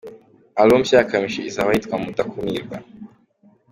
Album nshya ya Kamichi izaba yitwa Mudakumirwa.